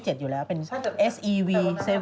ชุดล่างนี่